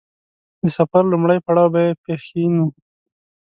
د سفر لومړی پړاو به يې پښين و.